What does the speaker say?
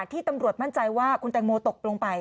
ที่ตำรวจมั่นใจว่าคุณแตงโมตกลงไป